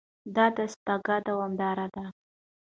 دا دستګاه دوامداره ده.